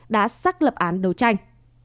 đã xác lập án đấu tranh